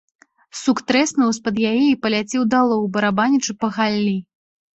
Сук трэснуў з-пад яе і паляцеў далоў, барабанячы па галлі.